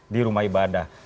di rumah ibadah